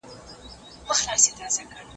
دولت دا ځان وژنه وبلله.